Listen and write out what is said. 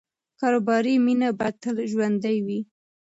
کاروباري مینه باید تل ژوندۍ وي.